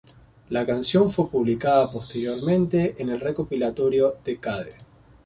La canción fue publicada posteriormente en el recopilatorio "Decade".